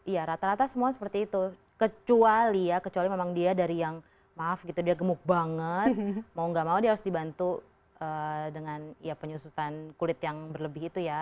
iya rata rata semua seperti itu kecuali ya kecuali memang dia dari yang maaf gitu dia gemuk banget mau gak mau dia harus dibantu dengan ya penyusutan kulit yang berlebih itu ya